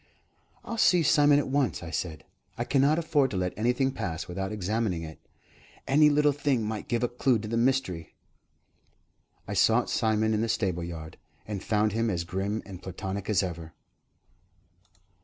"I'll see Simon at once," I said. "I cannot afford to let anything pass without examining it. Any little thing might give a clue to the mystery." I sought Simon in the stable yard, and found him as grim and platonic as ever.